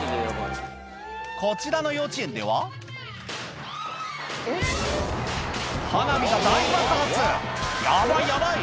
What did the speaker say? こちらの幼稚園では花火が大爆発ヤバいヤバい！